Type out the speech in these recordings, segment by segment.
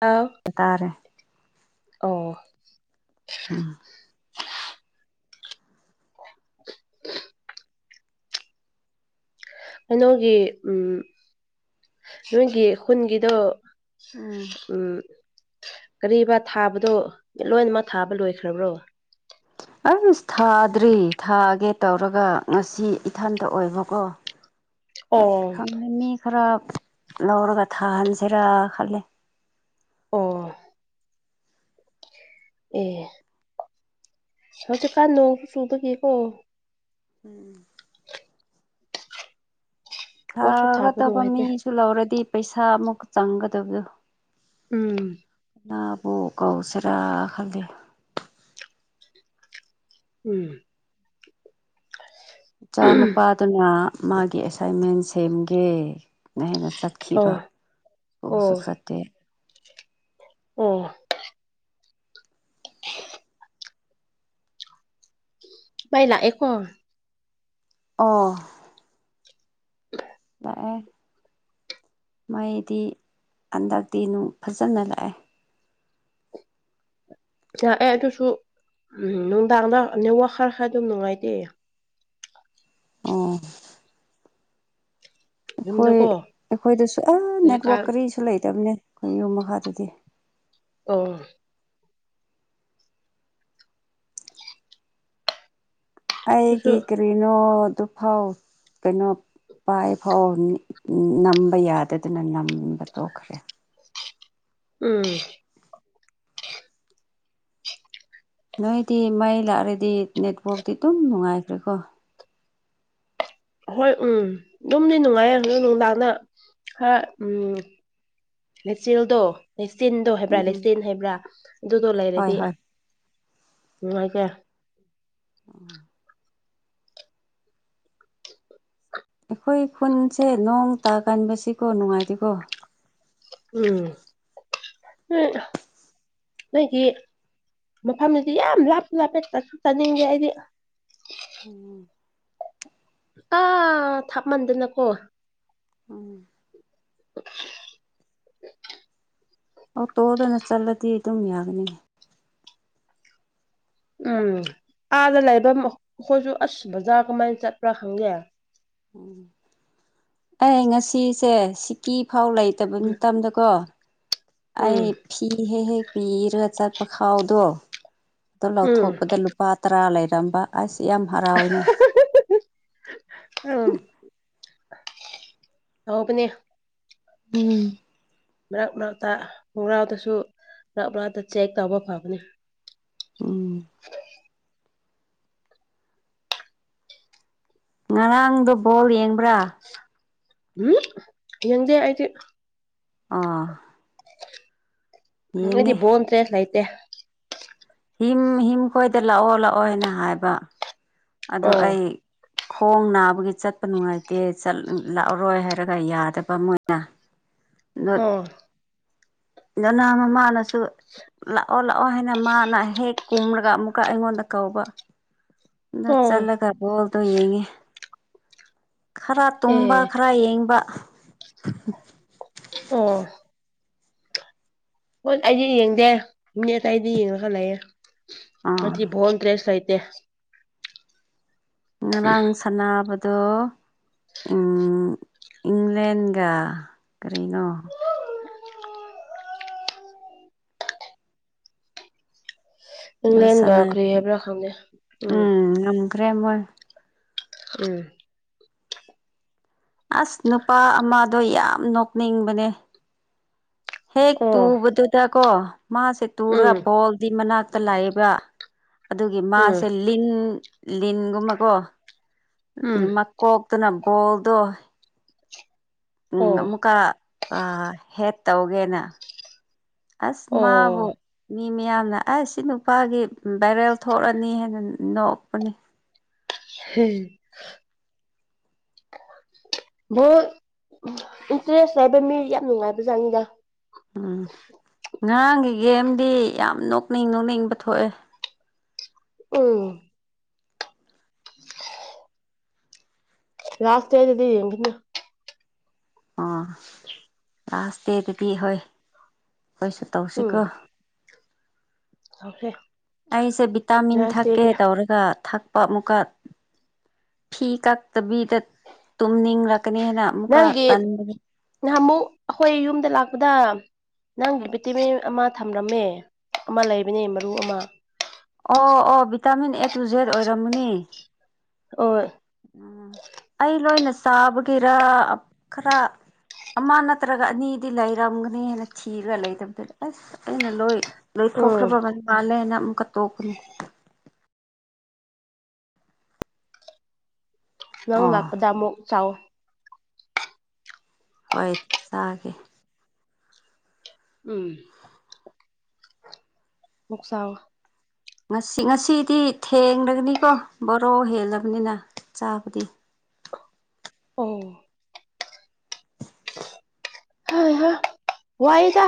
ꯑ ꯇꯥꯥꯔꯦ ꯑ ꯎꯝ [unintelligible] ꯀꯩꯅꯣꯒꯤ ꯎꯝ ꯅꯣꯏꯒꯤ ꯈꯨꯟꯒꯤꯗꯣ ꯎꯝ ꯀꯔꯤꯔꯤꯕ ꯊꯥꯕꯗꯣ ꯂꯣꯏꯃꯛ ꯊꯥꯕ ꯂꯣꯏꯈ꯭ꯔꯕ꯭ꯔꯣ ꯑꯩ ꯃꯤꯁ ꯊꯥꯗ꯭ꯔꯤ ꯊꯥꯒꯦ ꯇꯧꯔꯒ ꯉꯁꯤ ꯏꯊꯟꯇ ꯑꯣꯏꯕꯀꯣ ꯑꯣ ꯈꯪꯦ ꯃꯤ ꯈꯔ ꯂꯧꯔꯒ ꯊꯥꯍꯟꯁꯤꯔꯥ ꯈꯜꯂꯦ ꯑꯣ ꯑꯦ ꯁꯁꯦ ꯀꯥꯟꯅ ꯆꯨꯕꯒꯀꯣ ꯎꯝ ꯄꯣꯠꯁꯨ ꯊꯥꯕ ꯊꯥꯒꯗꯕ ꯅꯨꯡꯉꯥꯏꯇꯦ ꯃꯤꯁꯨ ꯂꯧꯔꯗꯤ ꯄꯩꯁꯥ ꯑꯃꯨꯛ ꯆꯪꯒꯗꯕꯗꯣ ꯎꯝ ꯅꯥꯕꯣꯛ ꯀꯥꯎꯁꯔꯥ ꯈꯜꯗꯤꯦ ꯎꯝ ꯏꯆꯥ ꯅꯨꯄꯥꯗꯨꯅ ꯃꯥꯒꯤ ꯑꯦꯁꯥꯏꯟꯃꯦꯟ ꯁꯦꯝꯒꯦ ꯅ ꯍꯦꯩꯅ ꯆꯠꯈꯤꯕ ꯑꯣ ꯑꯣ ꯎꯁꯨ ꯆꯠꯇꯦ ꯑꯣ ꯄꯥꯏ ꯂꯥꯛ ꯑꯩꯀꯣ ꯑ ꯍ ꯂꯥꯛꯑꯦ ꯃꯩꯗꯤ ꯍꯟꯗꯛꯇꯤ ꯅꯨꯡ ꯐꯖꯅ ꯂꯥꯛꯑꯦ ꯌꯥꯥꯛꯑꯦ ꯑꯗꯨꯁꯨ ꯎꯝ ꯅꯨꯡꯗꯥꯡꯗ ꯅꯦꯠꯋꯥꯛ ꯈꯔ ꯈꯔ ꯑꯗꯨꯝ ꯅꯨꯡꯉꯥꯏꯇꯦ ꯑꯣ ꯑꯩꯈꯣꯏ ꯌꯨꯝꯗꯀꯣ ꯑꯩꯈꯣꯏꯗꯁꯨ ꯑ ꯅꯦꯠꯋꯥꯛ ꯍꯧꯖꯤꯛꯀꯥꯟ ꯀꯔꯤꯁꯨ ꯂꯩꯇꯕꯅꯦ ꯑꯩꯈꯣꯏ ꯌꯨꯝ ꯃꯈꯥꯗꯗꯤ ꯑꯣ ꯑꯗꯨꯁꯨ ꯑꯩꯒꯤ ꯀꯔꯤꯅꯣ ꯑꯗꯨꯐꯥꯎ ꯀꯩꯅꯣ ꯄꯥꯏꯐꯥꯎ ꯅꯝꯕ ꯌꯥꯗꯗꯅ ꯅꯝꯕ ꯇꯣꯛꯈ꯭ꯔꯦ ꯎꯝ ꯅꯣꯏꯗꯤ ꯃꯩ ꯂꯥꯛꯔꯗꯤ ꯅꯦꯠꯋꯥꯛꯇꯤ ꯑꯗꯨꯝ ꯅꯨꯡꯉꯥꯏꯈ꯭ꯔꯦꯀꯣ ꯍꯣꯏ ꯎꯝ ꯌꯝꯗꯤ ꯅꯨꯡꯉꯥꯏꯔꯗꯣ ꯅꯨꯡꯗꯥꯡꯅ ꯍꯥ ꯎꯝ ꯂꯩꯦꯆꯤꯦꯜꯗꯣ ꯂꯩꯆꯤꯟꯗꯣ ꯍꯥꯏꯕ꯭ꯔꯥ ꯎꯝ ꯂꯩꯆꯤꯟ ꯍꯥꯏꯕ꯭ꯔꯥ ꯑꯗꯨꯗꯣ ꯍꯣꯏ ꯂꯩꯔꯗꯤ ꯍꯣꯏ ꯅꯨꯡꯉꯥꯏꯈꯦ ꯑ ꯑꯩꯈꯣꯏ ꯈꯨꯟꯁꯦ ꯅꯣꯡ ꯇꯥ ꯀꯟꯕꯁꯤꯀꯣ ꯅꯨꯡꯉꯥꯏꯇꯦꯀꯣ ꯎꯝ ꯎꯝ ꯅꯣꯏꯒꯤ ꯃꯐꯝꯁꯤꯗꯤ ꯌꯥꯝ ꯂꯥꯞ ꯂꯥꯞꯄ ꯆꯠ ꯆꯠꯅꯤꯡꯗꯦ ꯑꯩꯗꯤ ꯎꯝ ꯑꯥ ꯊꯥꯞꯃꯟꯗꯅꯀꯣ ꯎꯝ ꯑꯣ ꯇꯣꯗꯅ ꯆꯠꯂꯗꯤ ꯑꯗꯨꯝ ꯌꯥꯒꯅꯤꯉ ꯎꯝ ꯑꯥꯗ ꯂꯩꯕ ꯑꯩꯈꯣꯏꯁꯨ ꯑꯁ ꯕꯖꯥꯔ ꯀꯃꯥꯏꯅ ꯆꯠꯄ꯭ꯔꯥ ꯈꯪꯒꯦ ꯎꯝ ꯑꯩ ꯉꯁꯤꯁꯦ ꯁꯤꯀꯤ ꯐꯥꯎ ꯂꯩꯇꯕ ꯎꯝ ꯃꯇꯝꯗꯀꯣ ꯎꯝ ꯑꯩ ꯐꯤ ꯍꯦꯛ ꯍꯦꯛ ꯄꯤꯔꯒ ꯆꯠꯄ ꯈꯥꯎꯗꯣ ꯑꯣ ꯎꯝ ꯂꯧꯊꯣꯛꯄꯗ ꯄꯥ ꯇꯔꯥ ꯂꯩꯔꯝꯕ ꯑꯁ ꯌꯥꯝ ꯍꯔꯥꯎꯏꯅꯦ ꯎꯝ ꯑꯕꯅꯦ ꯎꯝ ꯃꯔꯛ ꯃꯛꯛꯇ ꯈꯣꯡꯒꯥꯎꯗꯁꯨ ꯄꯨꯥꯞ ꯂꯥꯞꯇ ꯆꯦꯛ ꯇꯧꯕ ꯐꯕꯅꯤ ꯎꯝ ꯉꯔꯥꯡꯗꯣ ꯕꯣꯜ ꯌꯦꯡꯕ꯭ꯔꯥ ꯎꯝ ꯌꯦꯡꯗꯦ ꯑꯩꯗꯤ ꯑꯥ ꯌꯦꯡꯉꯦ ꯑꯩꯗꯤ ꯣꯟꯇ꯭ꯔꯦ ꯂꯩꯇꯦ ꯍꯝ ꯍꯤꯝ ꯈꯣꯏꯗ ꯂꯥꯛꯑꯣ ꯂꯥꯛꯑꯣꯅ ꯍꯥꯏꯕ ꯑ ꯑꯣ ꯑꯩ ꯈꯣꯡ ꯅꯥꯕꯒꯤ ꯆꯠꯄ ꯅꯨꯡꯉꯥꯏꯇꯦ ꯂꯥꯛꯑꯔꯣꯏ ꯍꯥꯏꯔꯒ ꯌꯥꯗꯕ ꯑꯃ ꯑꯣꯏꯅ [unintelligible] ꯂꯣꯅꯥ ꯃꯃꯥꯅꯁꯨ ꯂꯥꯛꯑꯣ ꯂꯥꯛꯑꯣ ꯍꯥꯏꯅ ꯃꯥꯅ ꯍꯦꯛ ꯀꯨꯝꯔꯒ ꯑꯃꯨꯛꯀ ꯑꯩꯉꯣꯟꯗ ꯀꯧꯕ ꯑꯣ ꯆꯜ ꯈꯔꯣꯜ ꯇ ꯌꯦꯡꯒꯦ ꯈꯔ ꯇꯨꯝꯕ ꯑꯦ ꯈꯔ ꯌꯦꯡꯕ ꯑꯣ ꯍꯣꯏ ꯑꯩꯁꯦ ꯌꯦꯡꯗꯦ ꯃꯤꯅꯤꯠ ꯑꯗꯨꯋꯥꯏꯗ ꯌꯦꯡꯉꯒ ꯂꯩꯑꯦ ꯑ ꯑꯥ ꯣꯟ ꯀ꯭ꯔꯦꯁ ꯍꯥꯏꯥꯏꯇ ꯉꯔꯥꯡ ꯁꯥꯟꯅꯕꯗꯣ ꯏꯪꯂꯦꯟꯒ ꯀꯔꯤꯅꯣ ꯑ ꯁ ꯏꯪꯂꯦꯟꯒ ꯀꯔꯤ ꯍꯥꯏꯕ꯭ꯔꯥ ꯈꯪꯗꯦ ꯎꯝ ꯉꯝꯈ꯭ꯔꯦ ꯃꯣꯏ ꯎꯝ ꯑꯁ ꯅꯨꯄꯥ ꯑꯃꯗꯣ ꯌꯥꯝ ꯅꯣꯛꯅꯤꯡꯕꯅꯦ ꯍꯦꯛ ꯑꯣ ꯇꯨꯕꯗꯨꯗꯀꯣ ꯃꯥꯁꯦ ꯎꯝ ꯇꯨꯔꯒ ꯕꯣꯜꯗꯤ ꯃꯅꯥꯛꯇ ꯂꯥꯛꯑꯦꯕ ꯑꯗꯨꯒꯤ ꯎꯝ ꯃꯥꯁꯦ ꯂꯤꯟ ꯂꯤꯟꯒꯨꯝꯕꯀꯣ ꯎꯝ ꯀꯣꯛꯛꯇꯅꯕꯣꯜꯗꯣ ꯎꯝ ꯑꯣ ꯑꯃꯨꯛꯀ ꯍꯦꯠ ꯇꯧꯒꯦꯅ ꯑꯁ ꯃꯥꯕꯨ ꯑꯣ ꯃꯤ ꯃꯌꯥꯝꯅ ꯑꯩꯁ ꯁꯤ ꯅꯨꯄꯥꯒꯤ ꯚꯥꯏꯔꯦꯜ ꯊꯣꯛꯂꯅꯤ ꯍꯥꯏꯅ ꯅꯣꯛꯄꯅꯤ [unintelligible] ꯚꯣꯏꯠ ꯏꯟꯇꯔꯦꯁ ꯍꯥꯏꯕ ꯃꯤ ꯌꯥꯝ ꯅꯨꯡꯉꯥꯏꯕꯖꯥꯠꯅꯤꯗ ꯎꯝ ꯉꯔꯥꯡꯒꯤ ꯒꯦꯝꯗꯤ ꯌꯥꯝ ꯅꯣꯛꯅꯤꯡ ꯅꯣꯛꯅꯤꯡꯕ ꯊꯣꯛꯑꯦ ꯎꯝ [unintelligible] ꯂꯥꯁ ꯗꯦ ꯗꯗꯤ ꯌꯦꯡꯗꯨꯏꯅꯦ ꯑꯥ ꯂꯥꯁ ꯗꯦꯗꯗꯤ ꯍꯣꯏ ꯈꯣꯏꯁꯨ ꯇꯧꯁꯤꯀꯣ ꯑꯣꯀꯦ ꯑꯩꯁꯦ ꯚꯤꯇꯥꯃꯤꯟ ꯊꯛꯀꯦ ꯇꯧꯔꯒ ꯊꯛꯄ ꯑꯃꯨꯛꯀ ꯐꯤ ꯀꯛꯇꯕꯤꯗ ꯇꯨꯝꯅꯤꯡ ꯂꯛꯀꯥꯅꯤꯅ ꯅꯪꯒꯤ ꯅꯍꯥꯟꯃꯨꯛ ꯑꯩꯈꯣꯏ ꯌꯨꯝꯗ ꯂꯥꯛꯄꯗ ꯅꯪꯒꯤ ꯚꯤꯇꯤꯃꯤꯟ ꯑꯃ ꯊꯝꯂꯝꯃꯦ ꯑꯃ ꯂꯩꯕꯅꯦ ꯃꯔꯨ ꯑꯃ ꯑꯣ ꯑꯣ ꯚꯤꯇꯥꯃꯤꯟ ꯑꯦ ꯇꯨ ꯖꯦꯗ ꯑꯣꯏꯔꯝꯃꯅꯤ ꯑꯣꯏ ꯎꯝ ꯑꯩ ꯂꯣꯏꯅ ꯆꯥꯕꯒꯤꯔ ꯈꯔ ꯑꯃ ꯅꯠꯇ꯭ꯔꯒ ꯑꯅꯤꯗꯤ ꯂꯩꯔꯝꯒꯅꯤ ꯍꯥꯏꯅ ꯊꯤꯔꯒ ꯂꯩꯇꯕꯗ ꯑꯁ ꯑꯩꯅ ꯂꯣꯏ ꯎꯝ ꯂꯩꯊꯣꯛꯈ꯭ꯔꯕ ꯃꯥꯜꯂꯦꯅ ꯑꯃꯨꯛꯀ ꯇꯣꯛꯄꯅꯤ ꯅꯪ ꯑꯣ ꯂꯥꯛꯄꯗ ꯑꯃꯨꯛ ꯆꯥꯎ ꯍꯣꯏ ꯆꯥꯒꯦ ꯎꯝ [unintelligible] ꯉꯁꯤ ꯉꯁꯤꯗꯤ ꯊꯦꯡꯂꯒꯅꯤꯀꯣ ꯕꯔꯣ ꯍꯦꯜꯂꯕꯅꯤꯅ ꯆꯥꯕꯗꯤ ꯎꯝ ꯍꯩ ꯍꯥ ꯋꯥꯏꯗ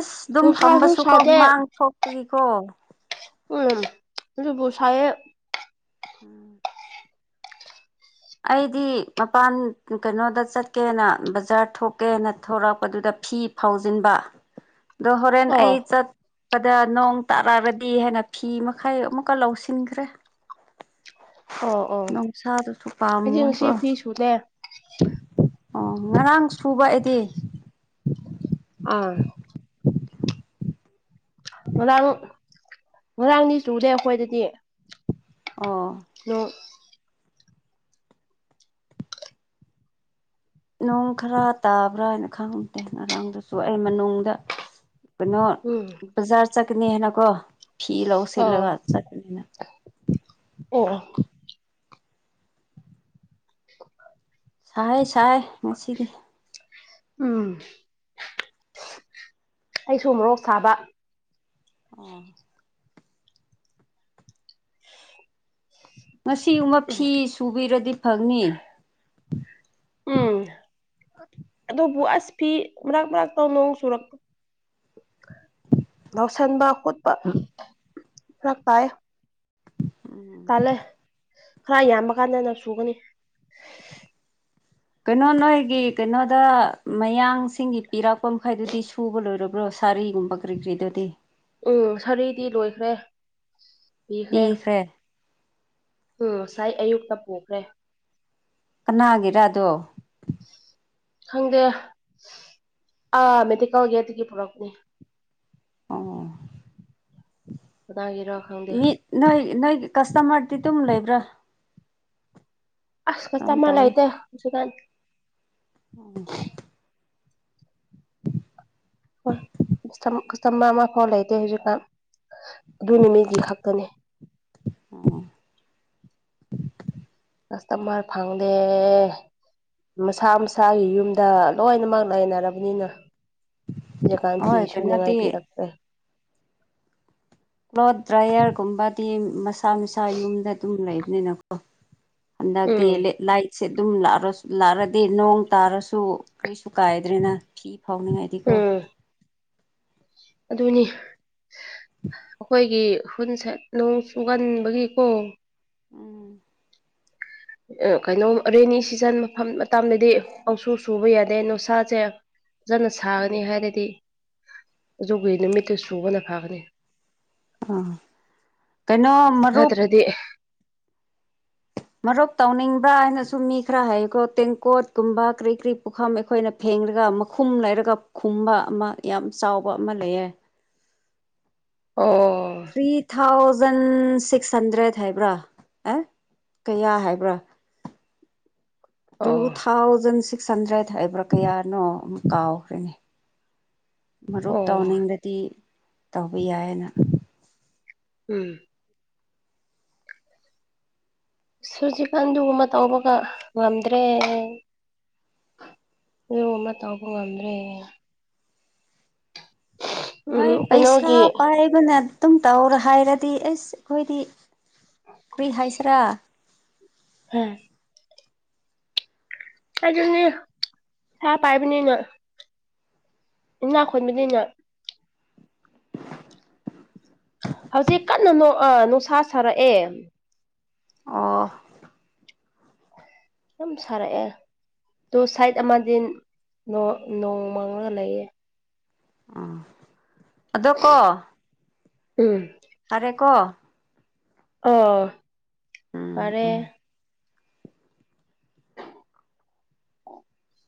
ꯏꯁ ꯗꯨꯝ ꯅꯨꯡꯁꯥꯁꯨ ꯐꯝꯕꯁꯨ ꯀꯣ ꯁꯥꯗꯦ ꯍꯨꯃꯥꯡ ꯊꯣꯛꯄꯒꯤꯀꯣ ꯎꯝ ꯑꯗꯨꯕꯨ ꯁꯥꯏꯌꯦ ꯎꯝ ꯑꯩꯗꯤ ꯃꯄꯥꯟ ꯀꯩꯅꯣꯗ ꯆꯠꯀꯦꯅ ꯕꯖꯥꯔ ꯊꯣꯛꯀꯦꯅ ꯊꯣꯔꯛꯄꯗꯨꯗ ꯐꯤ ꯐꯧꯖꯤꯟꯕ [inaudible] ꯗꯣ ꯍꯣꯔꯦꯟ ꯑꯩ ꯑꯣ ꯆꯠ- ꯄꯗ ꯅꯣꯡ ꯇꯥꯔꯛꯑꯒꯗꯤ ꯍꯥꯏꯅ ꯐꯤ ꯃꯈꯩ ꯑꯃꯨꯛꯀ ꯂꯧꯁꯤꯟꯈ꯭ꯔꯦ ꯑꯣ ꯑꯣ ꯅꯨꯡꯁꯥꯗꯨꯁꯨ ꯑꯩꯗꯤ ꯉꯁꯤ ꯄꯥꯝꯃꯣꯏꯀꯣ ꯐꯤ ꯁꯨꯗꯦ ꯑꯣ ꯉꯔꯥꯡ ꯁꯨꯕ ꯑꯩꯗꯤ ꯎꯝ ꯉꯔꯥꯡ ꯉꯔꯥꯡꯗꯤ ꯆꯨꯗꯦ ꯑꯩꯈꯣꯏꯗꯗꯤ ꯑꯣ ꯅꯣ ꯅꯣꯡ ꯈꯔ ꯇꯥꯕ꯭ꯔꯥ ꯈꯪꯗꯦ ꯉꯔꯥꯡꯗꯨꯁꯨ ꯑꯩ ꯃꯅꯨꯡꯗ ꯀꯩꯅꯣ ꯎꯝ ꯕꯖꯥꯔ ꯆꯠꯀꯅꯤ ꯍꯥꯏꯅꯀꯣ ꯐꯤ ꯂꯧꯁꯤꯜꯂꯒ ꯆꯠꯀꯅꯤꯅ ꯑꯣ ꯑꯣ ꯁꯥꯏ ꯁꯥꯏ ꯉꯁꯤꯗꯤ ꯎꯝ ꯑꯩꯁꯨ ꯃꯣꯔꯣꯛ ꯁꯥꯕ ꯑꯣ ꯉꯁꯤꯒꯨꯝꯕ ꯐꯤ ꯁꯨꯕꯤꯔꯗꯤ ꯐꯒꯅꯤ ꯎꯝ ꯑꯗꯨꯕꯨ ꯑꯁ ꯐꯤ ꯃꯔ ꯃꯔꯛꯇ ꯅꯣꯡ ꯁꯨꯔꯛ ꯌꯥꯎꯁꯟꯕ ꯈꯣꯠꯄ ꯐꯔꯛ ꯇꯥꯏꯌꯦ ꯎꯝ ꯇꯥꯜꯂꯦ ꯈꯔ ꯌꯥꯝꯕ ꯀꯥꯟꯗ ꯅ ꯁꯨꯒꯅꯤ ꯀꯩꯅꯣ ꯅꯣꯏꯒꯤ ꯀꯩꯅꯣꯗ ꯃꯌꯥꯡꯁꯤꯡꯒꯤ ꯄꯤꯔꯛꯄ ꯃꯈꯩꯗꯨꯗꯤ ꯁꯨꯕ ꯂꯣꯏꯔꯕ꯭ꯔꯣ ꯁꯥꯔꯤꯒꯨꯝꯕ ꯀ꯭ꯔꯤ ꯀ꯭ꯔꯤꯗꯨꯗꯤ ꯎꯝ ꯁꯥꯔꯤꯗꯤ ꯂꯣꯏꯈ꯭ꯔꯦ ꯄꯤꯈ꯭ꯔꯦ ꯎꯝ ꯉꯁꯥꯏ ꯑꯌꯨꯛꯇ ꯄꯨꯈ꯭ꯔꯦ ꯀꯅꯥꯒꯤꯔꯥꯑꯗꯣ ꯈꯪꯗꯦ ꯑꯥ ꯃꯦꯗꯤꯀꯦꯜ ꯒꯦꯠꯇꯒꯤ ꯄꯨꯔꯛꯄꯅꯤ ꯑꯣ ꯀꯅꯥꯒꯤꯔ ꯈꯪꯗꯦ ꯃꯤ ꯅꯣꯏ ꯅꯣꯏ ꯀꯁꯇꯃꯔꯗꯤ ꯑꯗꯨꯝ ꯂꯩꯕ꯭ꯔꯥ ꯑꯁ ꯀꯔꯝ ꯀꯁꯇꯃꯔ ꯂꯩ ꯇꯧꯋꯤ ꯇꯦ ꯍꯧꯖꯤꯛꯀꯥꯟ ꯎꯝ [inaudible] ꯍꯣꯏ ꯀꯁꯇꯥꯃꯔ ꯑꯃ ꯐꯥꯎ ꯂꯩꯇꯦ ꯍꯧꯖꯤꯛꯀꯥꯟ ꯑꯗꯨ ꯅꯨꯃꯤꯠꯒꯤ ꯈꯛꯇꯅꯤ [unintelligible] ꯀꯁꯇꯥꯃꯔ ꯐꯪꯗꯦ ꯃꯁꯥ ꯃꯁꯥꯒꯤ ꯌꯨꯝꯗ ꯂꯣꯏꯅꯃꯛ ꯂꯩꯅꯔꯕꯅꯤꯅ ꯍꯧꯖꯤꯀꯥꯟ ꯑꯣ ꯐꯤ ꯍꯣꯏ ꯁꯨꯅꯤꯉꯥꯏ ꯀꯩꯅꯣꯗꯤ ꯄꯤꯔꯛꯇ꯭ꯔꯦ ꯀ꯭ꯂꯣꯊ ꯗ꯭ꯔꯥꯏꯌꯔꯒꯨꯝꯕꯗꯤ ꯃꯁꯥ ꯃꯁꯥ ꯌꯨꯝꯗ ꯑꯗꯨꯝ ꯂꯩꯕꯅꯤꯅꯀꯣ ꯍꯟꯗꯛꯇꯤ ꯎꯝ ꯂꯦꯂꯥꯏ ꯁꯦ ꯑꯗꯨꯝ ꯂꯥꯛꯔꯁꯨ ꯂꯥꯛꯔꯗꯤ ꯅꯣꯡ ꯇꯥꯔꯁꯨ ꯀꯔꯤꯁꯨ ꯀꯥꯏꯗ꯭ꯔꯦꯅ ꯐꯤ ꯐꯥꯎꯅꯤꯡꯉꯥꯏ ꯎꯝ ꯑꯗꯨꯅꯤ ꯑꯩꯈꯣꯏꯒꯤ ꯈꯨꯟꯁꯠ ꯅꯣꯡ ꯆꯨꯒꯟꯕꯒꯤꯀꯣ ꯎꯝ ꯀꯩꯅꯣ ꯔꯦꯅꯤ ꯁꯤꯖꯟ ꯃꯐꯝ ꯃꯇꯝꯗꯗꯤ ꯄꯪꯁꯨ ꯁꯨꯕ ꯌꯥꯗꯦ ꯅꯨꯡꯁꯥꯁꯦ ꯐꯖꯅ ꯁꯥꯒꯅꯤ ꯍꯥꯏꯔꯗꯤ ꯑꯗꯨꯒꯤ ꯅꯨꯃꯤꯠꯇꯨ ꯁꯨꯕꯅ ꯐꯒꯅꯤ ꯑꯥ ꯀꯩꯅꯣ ꯃꯔꯨꯞ ꯍꯥꯏꯗꯤ ꯃꯔꯨꯞ ꯇꯧꯅꯤꯡꯕ꯭ꯔꯥ ꯍꯥꯏꯅꯁꯨ ꯃꯤ ꯈꯔ ꯍꯥꯏꯌꯦꯀꯣ ꯇꯦꯡꯀꯣꯠ ꯀꯨꯝꯕ ꯀꯔꯤ ꯀꯔꯤ ꯄꯨꯈꯝ ꯑꯩꯈꯣꯏꯅ ꯐꯦꯡꯂꯒ ꯃꯈꯨꯝ ꯂꯩꯔꯒ ꯈꯨꯝꯕ ꯑꯃ ꯌꯥꯝ ꯆꯥꯎꯕ ꯑꯃ ꯂꯩꯌꯦ ꯑꯣ ꯊ꯭ꯔꯤ ꯊꯥꯎꯖꯟ ꯁꯤꯛꯁ ꯍꯟꯗ꯭ꯔꯦꯗ ꯍꯥꯏꯕ꯭ꯔꯥ ꯑꯦ ꯀꯌꯥ ꯍꯥꯏꯕ꯭ꯔꯥ ꯇꯨ ꯑꯣ ꯊꯥꯎꯖꯟ ꯁꯤꯛꯁ ꯍꯟꯗ꯭ꯔꯦꯗ ꯍꯥꯏꯕ꯭ꯔꯥ ꯀꯌꯥꯅꯣ ꯑꯃꯨꯛ ꯀꯥꯎꯈ꯭ꯔꯦꯅꯦ ꯃꯔꯨꯞ ꯑꯣ ꯇꯧꯅꯤꯡꯂꯗꯤ ꯇꯧꯕ ꯌꯥꯏꯌꯦꯅ ꯎꯝ ꯍꯧꯖꯤꯛ ꯀꯥꯟꯗꯨꯒꯨꯝꯕ ꯇꯧꯕꯒ ꯉꯝꯗ꯭ꯔꯦ ꯑꯗꯨꯒꯨꯝꯕ ꯇꯧꯕ ꯉꯝꯗ꯭ꯔꯦ ꯅꯣꯏ ꯎꯝ ꯄꯩꯁꯥ ꯀꯩꯅꯣꯒꯤ ꯄꯥꯏꯕꯅ ꯑꯗꯨꯝ ꯇꯧꯔꯣ ꯍꯥꯏꯔꯗꯤ ꯑꯁ ꯑꯩꯈꯣꯏꯗꯤ ꯀ꯭ꯔꯤ ꯍꯥꯏꯁꯤꯔꯥ ꯍꯝ ꯑꯗꯨꯅꯤ ꯄꯩꯁꯥ ꯄꯥꯏꯕꯅꯤꯅ ꯏꯅꯥꯛ ꯈꯨꯟꯕꯅꯤꯅ ꯍꯧꯖꯤꯛ ꯀꯟꯅ ꯅꯣꯛꯑ ꯅꯨꯡꯁꯥ ꯁꯥꯔꯛꯑꯦ ꯑꯣ ꯁꯨꯝ ꯁꯥꯔꯛꯑꯦ ꯇꯣ ꯁꯥꯏꯠ ꯑꯃꯗꯤ ꯅꯣꯡ ꯃꯥꯡꯂꯒ ꯂꯩꯌꯦ ꯎꯝ ꯑꯗꯣ ꯀꯣ ꯎꯝ ꯐꯔꯦ ꯀꯣ ꯑꯣ ꯎꯝ ꯐꯔꯦ ꯎꯝ [unintelligible]